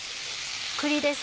栗です。